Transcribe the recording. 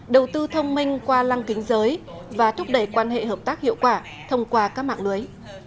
đầu tư thông minh qua lăng kính giới và thúc đẩy quan hệ hợp tác hiệu quả thông qua các mạng lưới